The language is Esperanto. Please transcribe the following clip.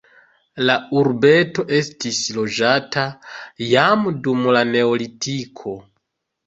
La urbeto estis loĝata jam dum la neolitiko.